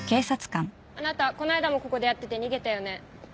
あなたこの間もここでやってて逃げたよね。